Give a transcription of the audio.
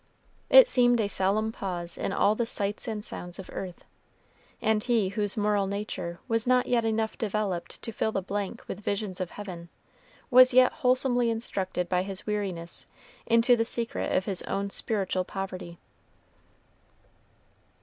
It seemed a solemn pause in all the sights and sounds of earth. And he whose moral nature was not yet enough developed to fill the blank with visions of heaven was yet wholesomely instructed by his weariness into the secret of his own spiritual poverty.